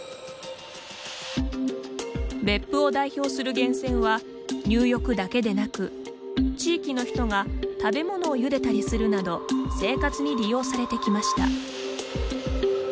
別府を代表する源泉は入浴だけでなく地域の人が食べ物をゆでたりするなど生活に利用されてきました。